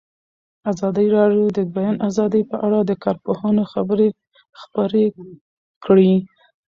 ازادي راډیو د د بیان آزادي په اړه د کارپوهانو خبرې خپرې کړي.